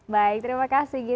baik terima kasih gita